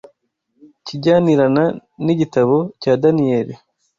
kijyanirana n’igitabo cya Daniyeli